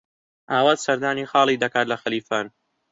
ئاوات سەردانی خاڵی دەکات لە خەلیفان.